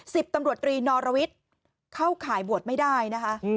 สิบตำรวจตรีนอรวิทย์เข้าข่ายบวชไม่ได้นะคะ